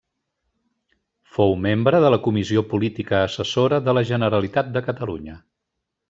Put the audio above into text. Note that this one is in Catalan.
Fou membre de la Comissió Política Assessora de la Generalitat de Catalunya.